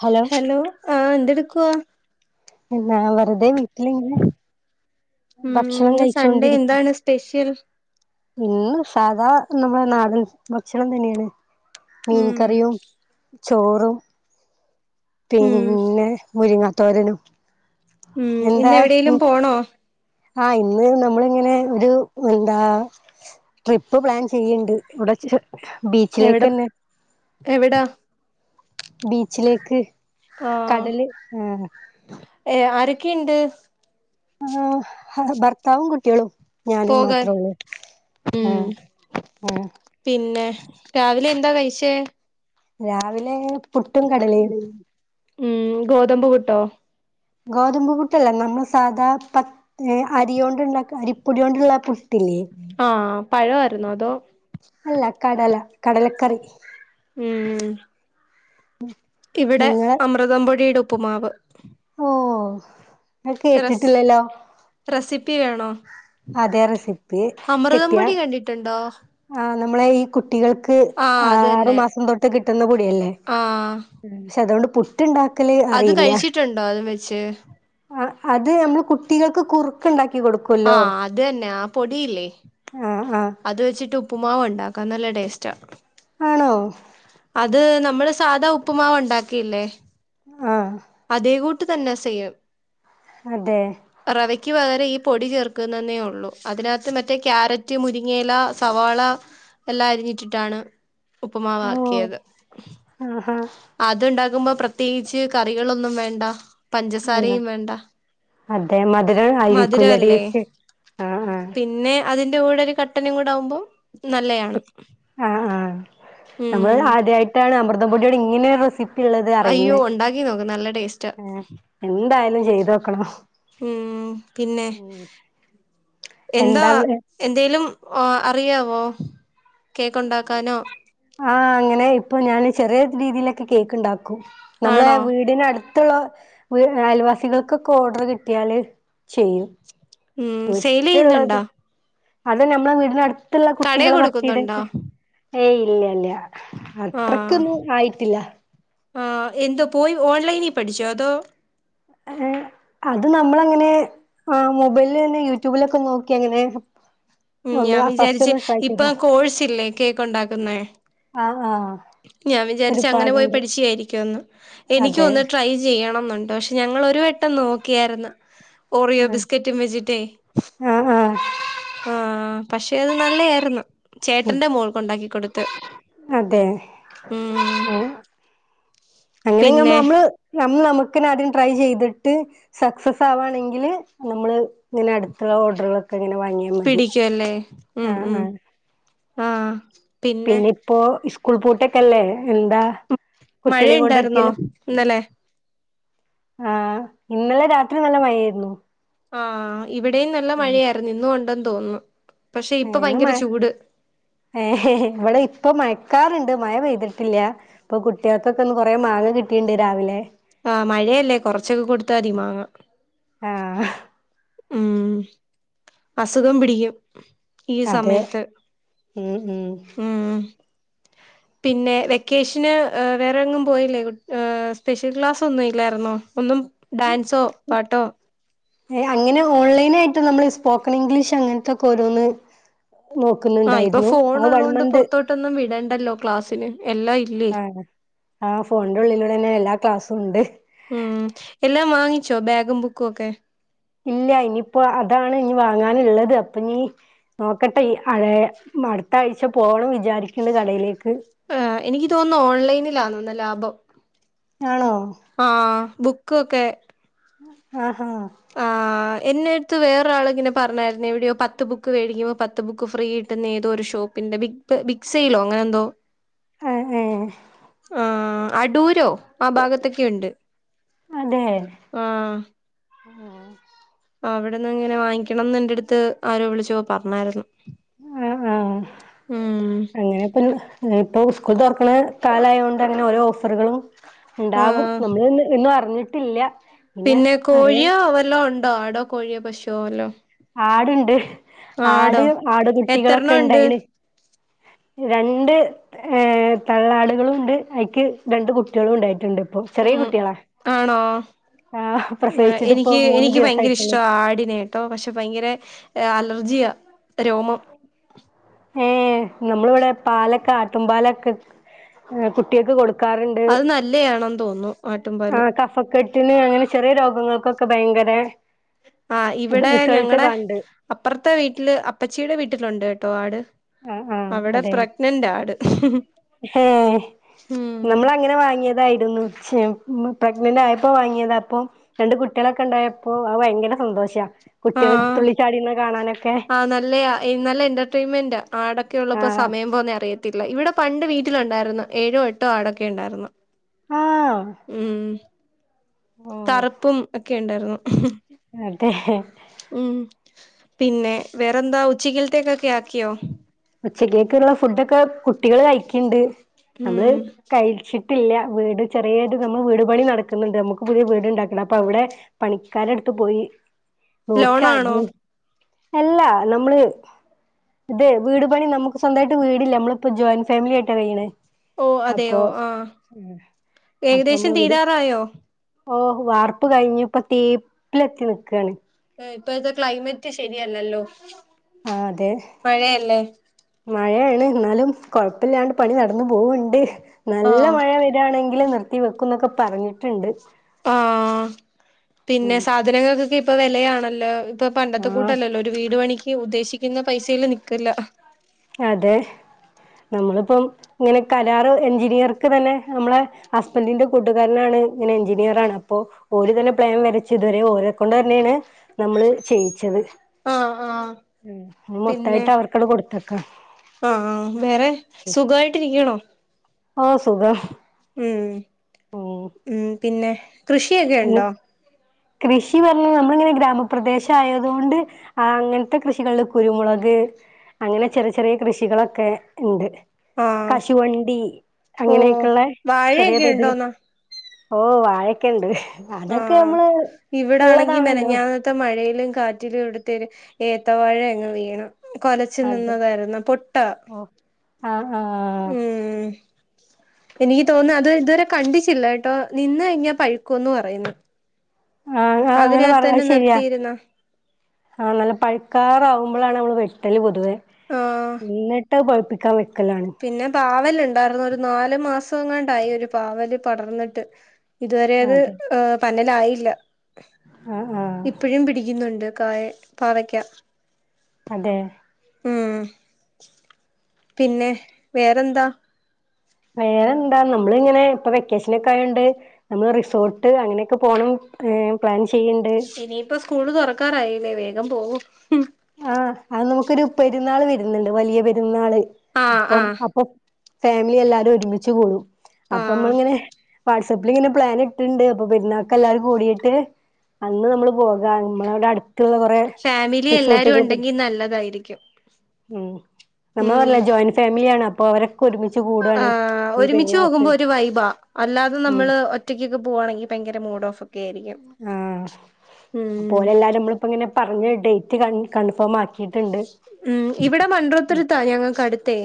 Hello hello ആഹ് എന്തെടുക്കുവാ? എന്നാ വെറുതെ വീട്ടിലിങ്ങനെ - ഉം ഭക്ഷണം ഇന്ന് സൺഡേ കഴിച്ചോണ്ടിരിക്കും എന്താണ് സ്പെഷ്യൽ ഇന്ന് സാധാ നമ്മുടെ നാടൻ ഭക്ഷണം തന്നെയാണ് മീൻ ഉം കറിയും ചോറും ഉം പിന്നെ മുരിങ്ങാത്തോരനും ഉം ഇന്നെവിഡേലും പോണോ ആഹ് ഇന്ന് നമ്മളിങ്ങനെ ഒരു എന്താ ട്രിപ്പ് പ്ലാൻ ചെയ്യ്ണ്ട് ഇവിടെ എവിടെ ബീച്ചിലേക്കന്നെ എവിടാ ബീച്ചിലേക്ക് ആഹ് കടല് ആ ഏ ആരൊക്കെയുണ്ട് ആഹ് അത് ഭർത്താവും കുട്ടികളും ഞാനും പോകാൻ മാത്രള്ളൂ ഉം ആഹ് ആഹ് പിന്നെ രാവിലെ എന്താ കഴിച്ചേ? രാവിലെ പുട്ടും കടലയും ഉം ഗോതമ്പ് പുട്ടോ? ഗോതമ്പ് പുട്ടല്ല നമ്മൾ സാധാ പ അരിയോണ്ടുള്ള അരിപ്പൊടിയോണ്ടുള്ള ആഹ് പഴവായിരുന്നോ അതോ? അല്ല കടല കടലക്കറി ഉം ഉ ഇവിടെ അമൃതംപൊടിയുടെപ്പുമാവ് ഓഹ് അഹ് റസ് കേട്ടിട്ടില്ലല്ലോ റെസിപ്പി വേണോ അതെ റെസിപ്പി അമൃതം കിട്ടിയാ പൊടി കണ്ടിട്ടുണ്ടോ ആ നമ്മളെ ഈ കുട്ടികൾക്ക് ആ ആറു മാസം തൊട്ട് കിട്ടുന്ന പൊടിയല്ലേ ആഹ് ക്ഷെ അതുകൊണ്ട് പുട് ത്ണ്ടാക്കല് അത് കഴിച്ചിട്ടുണ്ടോ അത് വെച്ച് ആ അത് നമ്മള് കുട്ടികൾക്ക് കുറു ക്കണ്ടാക്കികൊ ടു ആഹ് അത് തന്നെ ആ പൊടിയില്ലേ ആഹ് ആഹ് അത് വെച്ചിട്ട് ഉപ്പുമാവ്ണ്ടാക്ക, നല്ല ടേസ്റ്റാ! ആണോ? അത് നമ്മള് സാധാ ഉപ്പുമാവ് ഉണ്ടാക്കിയില്ലേ ആ അതേ കൂ ട്ട് തന്നെ സെയ്യ് അതെ റവയ്ക്ക് പകരം ഈ പൊടി ചേർക്കുന്നന്നേ ഒള്ളൂ അതിനകത്ത് മറ്റേ ക്യാരറ്റ് മുരി ങ്ങയില സവാളാ എല്ലാം അരിഞ്ഞിട്ടിട്ടാണ് ഉപ്പ്മാവാക്കിയത്. മ്ആഹ് ആഹ് അത്ണ്ടാക്കുമ്പോ പ്രത്യേകിച്ച് കറികളൊന്നും വേണ്ട ആ പഞ്ചസാരയും വേണ്ട. അതെ മതിരം ആയിരിക്കുല്ലേ ഡീ മധുരമല്ലേ ചേച്ചിയെ ആഹ് ആഹ് പിന്നെ അതിന്റെ കൂടൊരു കട്ടനും കൂടെ ആകുമ്പോ ആഹ് ആഹ് നമ്മള് ഉം ആദ്യായിട്ടാണ് അമൃതം പൊടിയോണ്ട് ഇങ്ങനെയൊരു റെസി പ്പിള്ളത് അയ്യോ അറിയുന്നെ, ഉണ്ടാക്കി നോക്ക് നല്ല ടേസ്റ്റാ ഏഹ് എന്തായാലും ചെയ്തോക്കണം ഹ്മ്മ് പിന്നെ എന്താ എന്തേലും ഓഹ് അറിയാവോ കേക്കുണ്ടാക്കാനോ ആഹ് അങ്ങനെ ഇപ്പൊ ഞാന് ചെറിയ രീതിയിലൊക്കെ കേക്ക് ഇണ്ടാക്കും നമ്മളെ ആണോ വീടിനടു ത്തുള്ള ഒര് അയൽവാസികൾക്കൊക്കെ ഓർഡറ് കിട്ടിയാല് ചെയ്യും ഉം സെയിൽ വിട്ട്ള്ളത് ചെയ്യുന്നുണ്ടോ അത് നമ്മളെ വീടിനട്ത്തുള്ള കടേ കുട്ടികളെ കൊടുക്കുന്നുണ്ടോ ബർത്തഡേക്ക് ഏയ് ഇല്ലല്ല ആഹ് അത്രക്ക്ന്ന് ആയിട്ടില്ല. ആഹ് എന്തോ പോയി ഓൺലൈനിൽ പഠിച്ചോ അതോ [inaudible] അത് നമ്മളങ്ങനെ ആഹ് മൊബൈലെന്നെ യൂട്യൂബിലൊക്കെ നോക്കി അങ്ങനെ ഹ്മ്മ് ഒന്ന് ഞാൻ ഫസ്റ്റ് വിചാരിച്ച് ഒന്ന് ട്രൈ ഇപ്പൊ ചെയ്താ കോഴ്സ് ല്ലേ കേക്കുണ്ടാക്കുന്നെ ആഹ് ആഹ് ഞാൻ വിചാരിച്ചു അങ്ങനെ പോയി ഒരുപാടുണ്ട് പഠിച്ചേയായിരിക്കുവെന്ന് അതെ എനിക്കൊന്ന് ട്രൈ ചെയ്യണംന്നുണ്ട് ക്ഷെ പക്ഷെ ഞങ്ങളൊരു വട്ടം നോക്കിയായിര്ന്ന് ഓറിയോ ആഹ് ബിസ്ക്കറ്റും വെച്ചിട്ടേ ആഹ് ആഹ് ആഹ് പക്ഷെ അത് നല്ലെ ആയിരുന്നു. ഉം ചേട്ടന്റെ മോൾക്ക് ഉണ്ടാക്കി കൊടുത്ത്. അതെ ഹ്മ്മ് അങ്ങനെങ്ങ് നമ്മള് നമ്മള് നമ്മുക്കന്നെ ആദ്യം ട്രൈ ചെയ്തിട്ട് സക്സ്സസാവാണെങ്കില് നമ്മള് ഇങ്ങനെ അട്ത്ത്ള്ള ഓർഡറുകളൊക്കെ ഇങ്ങനെ വാങ്ങിയോ പിടിക്കു അല്ലേ, ഹ്മ്മ് ഹ്മ്മ് ആഹ് പിന്നെ ഇപ്പോ സ്കൂൾ പൂട്ടൊക്കല്ലേ എന്താ മഴ കുട്ടികളെയും കൊണ്ട് ഇണ്ടായിരുന്നോ എടക്കേലും ഇന്നലെ ആഹ് ഇന്നലെ രാത്രി നല്ല മഴ ആയിരുന്നു. ആഹ് ഇവടെയും നല്ല മഴയായിരുന്നു ഇന്നും ഉണ്ടെന്ന് തോന്നുന്നു പക്ഷെ ഇപ്പൊ ഇന്ന് ഭയങ്കര മഴ ചൂട് ഏഹ് ഇവടെപ്പൊ മയക്കാറ്ണ്ട് മഴ പെയ്തിട്ടില്ല ഇപ്പൊ കുട്ട്യോൾക്കൊക്കെ ഇന്ന് കൊറേ മാങ്ങ കിട്ട്ണ്ട് രാവിലെ ആഹ് മഴയല്ലേ കൊറച്ചൊക്കെ കൊടുത്താ മതി മാങ്ങാ ആഹ് ഹ്മ്മ്, അസുഖം പിടിക്കും. ഈ അതെ ഹ്മ്മ് ഹ്മ്മ് ഹ്മ്മ് പിന്നെ വെക്കേഷന് വേറെങ്ങും പോയില്ലേ കു ഏഹ് സ്പെഷ്യൽ ക്ലസൊന്നും ഇല്ലായിരുന്നോ ഒന്നും ഡാൻസോ പാട്ടോ ഏഹ് അങ്ങനെ ഓൺലൈനായിട്ട് നമ്മള് സ്പോക്കൺ ഇംഗ്ലീഷ് അങ്ങൻത്തൊക്കെ ഓരോന്ന് നോക്കുന്നുണ്ടായിരുന്നു അത് വൺ മന്ത് പെട്ടൊന്നും വിടണ്ടല്ലോ ക്ലാസിന് എല്ലാ ഇ ആഹ് ആ ഫോണിന്റെ ഉള്ളിലൂടെ തന്നെ എല്ലാ ക്ലാസ്സുംണ്ട്. ഉം എല്ലാം വാങ്ങിച്ചോ ബാഗും ബുക്കും ഒക്കെ ഇല്ല ഇനിയിപ്പോ അതാണ് ഇനി വാങ്ങാനുള്ളത് അപ്പൊ നീ നോക്കട്ടെ ഈ അഴ മടുത്ത ആഴ്ച പോണം വിചാരിക്ണ്ട് കടയിലേക്ക് ഏഹ് എനിക്ക് തോന്നുന്നു ഓൺലൈനിലാണെന്ന് ലാഭം ആണോ ആഹ് ബുക്കൊക്കെ ആഹ് ഹാ ആഹ് എന്നടുത്ത് വേറാള് ഇങ്ങനെ പറഞേരുന്നു എവിടെയോ പത്ത് ബുക്ക് വേടിക്കുമ്പോ പത്ത് ബുക്ക് ഫ്രീ കി ട്ടുന്ന് ഏതോ ഒരു ഷോപ്പിന്റെ ബി് ബിഗ്സയിലോ അങ്ങനെന്തോ ആഹ് ഏഹ് ആഹ് അടൂരോ ആ ഭാഗത്തൊക്കെ ഉണ്ട് അതെ ആഹ് ആഹ് അവിടെന്നങ്ങനെ വാങ്ങിക്കണംന്ന് എന്റെ അടുത്ത് ആരോ വിളിച്ചപ്പംപറഞ്ഞായിരുന്നു ഉം അങ്ങനെപ്പരു ങ്ങെ പ്പൊസ്കൂൾ തുറക്ക്ണ കാലയോണ്ട് അങ്ങനെ ഓരോ ഓഫറുകളും ഉണ്ടാകും ആഹ് നമ്മള്ന്ന് എന്നും അറിഞ്ഞിട്ടില്ല പിന്നെ കോഴിയോ അവല്ലോ ഉണ്ടോ ആടോ കോഴിയോ പശുവോ വല്ലോ ആടുണ്ട് ആട് ആടോ ആട് എത്രണ്ണം കുട്ടികളൊക്കെണ്ടായിണ് [inaudible] രണ്ട് ഏഹ് തള്ളാടുകളും ഉണ്ട് അയിക്ക് രണ്ട് കുട്ടികളും ഉണ്ടായിട്ടുണ്ട് ഇപ്പോ ഉം ആണോ ആഹ് ആഹ് പ്രസവിച്ചിട്ട് ഇപ്പോ എനിക്ക് മൂന്ന് എനിക്ക് ഭയങ്കര ദിവസായിട്ടുള്ളൂ ഇഷ്ടാ ആടിനെ ട്ടോ പക്ഷെ ഭയങ്കര അലർജിയ രോമം ഏഹ് നമ്മളിവിടെ പാലൊക്കെ ആട്ടുംപാലൊക്കെ കുട്ടികൾക്ക് കൊടു അത് നല്ലയാണെന്ന് തോന്നുന്നു ആട്ടും ആ പാല് കഫക്കെട്ടിന് അങ്ങനെ ചെറിയ രോഗങ്ങൾക്കൊക്കെ ഭയങ്കര ആഹ് ഇത് ഇവിടെ റിസൾട്ട് ഞങ്ങടെ കണ്ട് അപ്പുറത്തെ വീട്ടില് അപ്പച്ചിയുടെ വീട്ടിലുണ്ട് കേട്ടോ ആട് ആ ആ അവടെ പ്രഗ്‌നന്റാ ആട് ഹേ ഉം നമ്മൾ അങ്ങനെ വാങ്ങിയതായിരുന്നു ശെ ഇമ്മ പ്രഗ്നന്റ് ആയപ്പോ വാങ്ങിയതാ അപ്പൊ രണ്ട് കുട്ട്യാളൊക്കെ ഉണ്ടായപ്പോ അത് ഭയങ്കര സന്തോഷാ കുട്ടികൾ ആഹ് തുള്ളിച്ചാടിന്ന് കാണാനൊക്കെ ആഹ് നല്ലയ ഇന്നല്ല എന്റർടൈൻമെന്റ് ആടൊക്കെ ആ ഉള്ളപ്പോ സമയം പോന്നെ അറിയത്തി ല്ല ഇവിടെ പണ്ട് വീട്ടിലുണ്ടായിരുന്നു ഏഴോ എട്ടോ ആടൊക്കെ ണ്ടായിരുന്നു ആ ഉം ഓ തറുപ്പും ഒക്കെ ണ്ടായിരുന്നു അതെ ഉം പിന്നെ വേറെന്താ ഉച്ചക്കിൽത്തേക്കൊക്കെ ആക്കിയോ ഉച്ചക്കേക്ക്‌ള്ള ഫുഡൊക്കെ കുട്ടികള് കഴിക്ക്ണ്ട് നമ്മള് ഉം കഴിച്ചി ട്ടില്ല വീട് ചെറിയേത് നമ്മൾ വീട് പണി നടക്കുന്നുണ്ട് നമുക്ക് പുതിയ വീടുണ്ടാക്കണം അപ്പൊ അവിടെ പണിക്കാരെടുത്ത് പോയി ലോണാണോ നോക്കാര്ന്ന് അല്ല നമ്മള് ഇത് വീട് പണി നമുക്ക് സ്വന്തായിട്ട് വീടില്ല നമ്മളിപ്പോ ജോയിന്റ് ഫാമിലി ആയിട്ടാ കഴിയിണേ ഓ അപ്പൊ അതെയോ ആഹ് അപ്പൊ ഏകദേശം നമ്മള് വിട് തീരാറായോ ഓഹ് വാർപ്പ് കഴിഞ്ഞു ഇപ്പൊ തേപ്പിലെത്തി നിക്കാണ് ഉം ഇപ്പഴത്തെ ക്ലൈമറ്റ് ശരിയല്ലല്ലോ ആഹ് അതെ മഴയല്ലേ മഴേണ് എന്നാലും കൊഴപ്പില്ലാണ്ട് പണി നടന്ന് പോവ്ണ്ട് നല്ല ആഹ് മഴ പെ യ്യാണെങ്കില് നിർത്തി വെക്കും എന്നൊക്കെ പറഞ്ഞിട്ട്ണ്ട് ആഹ് പിന്നെ സാധനങ്ങക്കൊക്കെ ഇപ്പൊ വെലയാണല്ലോ ഇപ്പൊ പണ്ടത്തെ ആ കൂട്ടല്ലല്ലോ ഒരു വീട് പണിക്ക് ഉദ്ദേശിക്കിന്ന പൈസേല് നിക്കില്ല അതെ ഞമ്മള്പ്പം ഇങ്ങനെ കരാർ എഞ്ചിനീയർക്ക് തന്നെ ഞമ്മളെ ഹസ്ബന്റിന്റെ കൂട്ടുകാരനാണ് ഇങ്ങനെ എഞ്ചിനീയറാണ് അപ്പോ ഓല് ഇതിന് പ്ലാൻ വരച്ച് ഇതുവരെ ഓരെ കൊണ്ടെന്നേണ് ഞമ്മള് ചെയ്യിച്ചത് ആഹ് ആഹ് ഉം പിന്നെ മൊത്തായിട്ട് അവർക്കട് കൊടുത്ത ആഹ് ആഹ് വേറെ സുഖവായിട്ടിരിക്ക്യാണോ ആഹ് സുഖം ഉം ഉം പിന്നെ കൃഷിയെക്കെ ഇണ്ടോ കൃഷി പറഞ്ഞ് നമ്മള് ഇങ്ങനെ ഗ്രാമപ്രദേശ ആയതുകൊണ്ട് ആഹ് അങ്ങത്തെ കൃഷികള് കുരുമുളക് അങ്ങനെ ചെറിയ ചെറിയ കൃഷികളൊക്കെ ഇണ്ട് ആഹ് കശുവണ്ടി ഓഹ് അങ്ങനെക്കള്ളെ ചെറിയ വാഴയൊക്കെ തോതില് ഉണ്ടോന്നാ ഓഹ് വാഴക്കേണ്ട് ആഹ് ഇവടെ ആണെങ്കി ഉള്ളതാണല്ലോ മെനഞ്ഞാന്ന ത്തെ മഴയിലും കാറ്റിലും ഇവട്ത്തെ ഒരു ഏത്തവാഴ അങ്ങ്‌ വീണു കൊലച്ചു അതെ നിന്നതായിരുന്നു പൊട്ടാ ഓ ആഹ് ആഹ് എനിക്ക്യ് തോന്ന അത് ഇതുവരെ കണ്ടിച്ചില്ല കേട്ടോ നിന്ന് ഇങ്ങനെ പഴക്കൂന്ന് പറയുന്നു ആഹ് ആഹ് അങ്ങനെ അതിനകത്ത് തന്നെ പറഞ്ഞത് ശരിയാ നിർത്തിയിരുന്ന ആഹ് നല്ലെ പഴുക്കാറാവുമ്പളാണ് ഞമ്മള് വെട്ടല് പൊതുവെ ആഹ് എന്നിട്ടഹ് പഴുപ്പിക്കാൻ വെക്കലാണ് പിന്നെ പാവല് ഇണ്ടാർന്നു ഒരു നാല് മാസങ്ങണ്ടായി ഒരു പാവല് പടർന്ന്ട്ട് ഇതുവരെ അത് അതെ ഏഹ് പനലായില്ല ആഹ് ആഹ് ഇപ്പഴും പിടിക്കുന്നുണ്ട് കായെ പാവക്ക്യാ പ്പ അതെ ആഹ് പിന്നെ വേറെന്താ വേറെന്താ നമ്മള് ഇങ്ങനെ ഇപ്പൊ വെക്കേഷനക്കെ ആയോണ്ട് നമ്മള് റിസോർട്ട് അങ്ങനെക്കെ പോണം [unintelligible] പ്ലാൻ ചെയ്യ്ണ്ട് ഇനിയിപ്പോ സ്കൂള് തൊറക്കാറായില്ലേ വേഗം പോവു ആഹ് അത് നമുക്കൊരു പെരുന്നാള് വര്ന്ന്ണ്ട് വലിയ പെരുന്നാള് ആഹ് അപ്പം ആഹ് അപ്പൊ ഫാമിലി എല്ലാരും ഒരുമിച്ച് കൂടും അപ്പം അമ്മള് ആഹ് ഇങ്ങനെ വാട്സപ്പില് ഇങ്ങനെ പ്ലാന് ഇട്ട്ണ്ട് അപ്പൊ പെരുന്നാക്ക് എല്ലാരും കൂടിയിട്ട് അന്ന് നമ്മള് പോകാൻ അമ്മളാടെ അട്ത്ത്ള്ള കൊറേ ഫാമിലി എല്ലാരും ഉണ്ടെങ്കി നല്ലതായിരിക്ക്യും ഉം നമ്മള് പറഞ്ഞിലെ ജോയിന്റ് ഫാമിലിയാണ് അപ്പൊ അവരെ ക്കൊരുമിച്ച് കൂടാ ആഹ് ഒരുമിച്ച് പോകുമ്പോ ഒരു വൈബാ അല്ലാതെ ഉം നമ്മള് ഒറ്റക്കൊക്കെ പോവാണെങ്കി ഭയങ്കര മൂഡ് ഓഫ് ക്കേ ആയിരിക്ക്യും ആഹ് അപ്പോ ഓല് എല്ലാരും അമ്മള് ഇപ്പോ ഇങ്ങനെ പറഞ്ഞ ഡേറ്റ് കൺ കൺഫോമാക്കിയിട്ട്ണ്ട് ഉം ഇവടെ മണ്ട്രത്തുര്ത്താ ഞങ്ങള്ക്കട്ത്തേ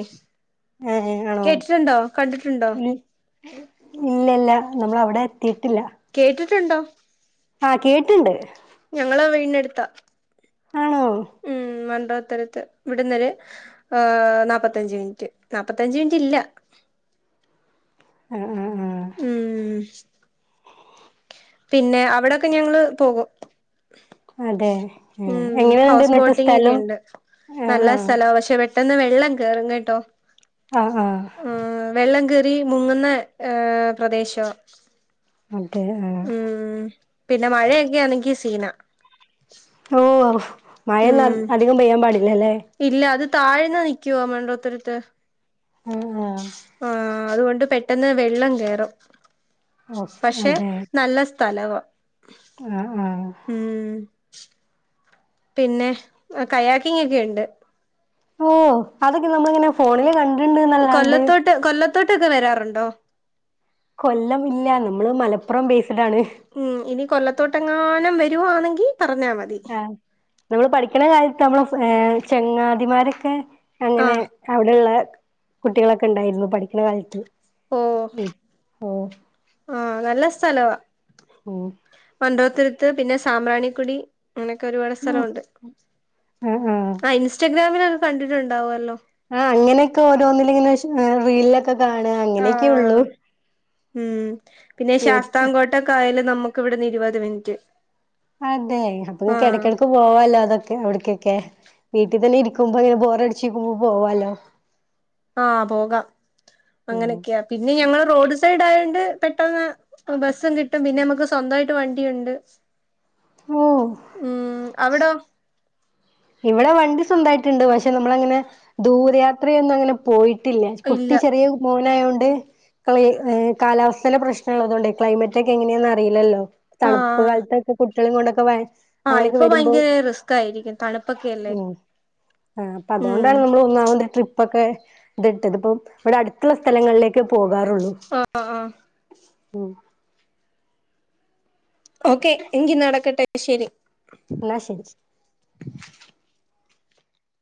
ഏഹ് ആണോ കേട്ടിട്ടുണ്ടോ കണ്ടിട്ടുണ്ടോ ഇല്ല ഇല്ല നമ്മൾ അവിടെ എത്തിയിട്ടില്ല കേട്ടിട്ടുണ്ടോ ആഹ് കേട്ട്ൻണ്ട് ഞങ്ങളെ വീടിനെ അടുത്താ ആണോ മം വണ്ടോത്തരത്ത് ഇവിടുന്നൊരു നാപ്പത്തഞ്ച് മിനിറ്റ് നാപ്പത്തഞ്ച് മിനിറ്റ് ഇല്ല ആഹ് ആഹ് ആ ഉം പിന്നെ അവിടൊക്കെ ഞങ്ങള് പോകും അതെ ആ മം എങ്ങനെയുണ്ട് ഹൗസ് എന്നിട്ട് ബോട്ടിംഗ് ഒക്കെ സ്ഥലം ഇണ്ട് ആ നല്ല ആ സ്ഥലാവാ പെട്ടന്ന് വെള്ളം കേറും കേട്ടോ ആഹ് ആഹ് ആഹ് വെള്ളംകെറി മുങ്ങുന്ന ഏഹ് പ്രദേശോ അങ്ങനതന്നെണ് പിന്ന മഴയൊക്കെ ആണെങ്കി സീന ഓഹ് മഴൊന്നും ഉം അധികം പെയ്യാൻ പാടില്ല ലെ ഇല്ല അത് താഴ്ന്ന നിക്കിയുവാ മണ്ടോത്തരത്ത് ആ ആഹ് അതുകൊണ്ട് പെട്ടെന്ന് വെള്ളം കേറും ആ ഓക്കെ പക്ഷെ നല്ല സ്ഥലവാ [unintelligible] ആഹ് ആഹ് ഉം പിന്നെ കയാക്കിങ്ങ ഒക്കെയുണ്ട് ഓഹ് അതൊക്കെ നമ്മള് ഇങ്ങനെ ഫോണില് കണ്ട് കൊല്ലത്തോട്ട് കൊല്ലത്തോട്ടൊക്കെ വരാറുണ്ടോ കൊല്ലം ഇല്ല നമ്മള് മലപ്പുറം ബേസ്ഡ് ആണ് ഉം ഇനി കൊല്ലത്തോട്ടങ്ങാനം വരുവാന്നെങ്കി പറഞ്ഞാ മതി ആഹ് നമ്മൾ പഠിക്കണ കാലത്ത് നമ്മളെ ചങ്ങാതിമാരൊക്കെ അങ്ങനെ ആഹ് അവിടെള്ള കുട്ടികളൊക്കെ ണ്ടായിരുന്നു പഠിക്കണ കാലത്ത് ഓഹ് ഉം ഓഹ് ആഹ് നല്ല സ്ഥലവാ ഓഹ് പണ്ടോത്തരുത്ത് പിന്നെ സാമ്പ്രാണിക്കുടി അങ്ങനൊക്കെ ഒരുപാട് ഉം സ്ഥലമുണ്ട്. ആഹ് ആഹ് ആ ഇൻസ്റ്റാഗ്രാമിലൊക്കെ കണ്ടിട്ടുണ്ടാവുമല്ലോ ആഹ് അങ്ങനൊക്കെ ഓരോന്നിലങ്ങ്നെ റീലിലൊക്കെ ഒക്കെ കാണാ അങ്ങനെയൊക്കെ ഉള്ളൂ ആഹ് ഉം പിന്നെ ശാസ്ത്ര കേട്ട് കോട്ട ട്ടക്കായൽ നമുക്ക് ഇവിടുന്ന് ഇരുപത് മിനിറ്റ് അതെ അപ്പൊ നിനക്ക് ആഹ് ഇടയ്ക്കിടയ്ക്ക് പോവാലോ അതൊക്കെ അവിടയ്ക്കൊക്കെ വീട്ടിൽ തന്നെ ഇരിക്കുമ്പോ ഇങ്ങനെ ബോറടിച്ചിരിക്കുമ്പോ പോവാലോ ആഹ് പോകാം ഉം അങ്ങനെയൊക്കെയാ പിന്നെ ഞങ്ങൾ റോഡ് സൈഡ് ആയോണ്ട് പെട്ടെന്ന് ബസ്സും കിട്ടും പിന്നെ നമ്മുക്ക് സ്വന്തമായിട്ട് വണ്ടിയുണ്ട്. ഓഹ് ഉം അവിടൊ ഇവിടെ വണ്ടി സ്വന്തമായിട്ട് ഉണ്ട് പക്ഷെ നമ്മൾ അങ്ങനെ ദൂരയാത്രയൊന്നും അങ്ങനെ പോയിട്ടില്ല കുട്ടി ഇല്ല ചെറിയ മോനായത് കൊണ്ട് കാലാവസ്ഥയിലെ പ്രശ്നമുണ്ട് ള്ളതുകൊണ്ട് ക്ലൈമറ്റ് ഒക്കെ എങ്ങനെയാണെന്ന് അറിയില്ലല്ലോ തണുപ്പ് ആഹ് കാലത്തൊക്കെ കുട്ടികളെ കൊണ്ടൊക്കെ ആഹ് അങ്ങനെയൊക്കെ ഇപ്പൊ വരുമ്പോ ഭയങ്കര റിസ്ക് ആയിരിക്കും തണുപ്പൊക്കെ ഉം ആ അപ്പൊ അതുകൊണ്ടാണ് നമ്മൾ ഒന്നാമത്തെ ട്രിപ്പ് ഇപ്പൊക്കെ [unintelligible] ഇവിടെ അടുത്തുള്ള സ്ഥലങ്ങളിലേക്ക് പോകാറൊള്ളൂ ആഹ് ആഹ് ഉം ഓക്കെ എങ്കിൽ നടക്കട്ടെ അപ്പ ശരി എന്നാ ശരി